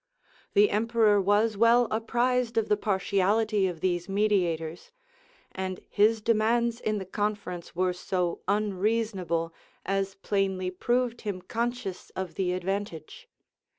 The emperor was well apprised of the partiality of these mediators; and his demands in the conference were so unreasonable as plainly proved him conscious of the advantage.